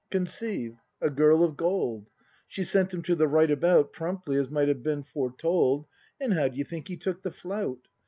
Conceive,— a girl of gold ! She sent him to the right about Promptly, as might have been foretold. And how d'ye think he took the flout